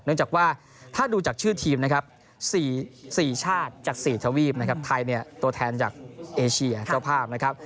จากว่าถ้าดูจากชื่อทีมนะครับ๔ชาติจาก๔ทวีปนะครับไทยเนี่ยตัวแทนจากเอเชียเจ้าภาพนะครับ